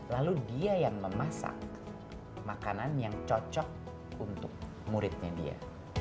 lalu dia yang memasak makanan yang cocok untuk muridnya dia